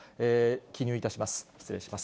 記入いたします。